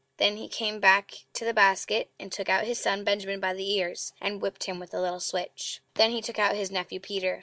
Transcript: Then he came back to the basket and took out his son Benjamin by the ears, and whipped him with the little switch. Then he took out his nephew Peter.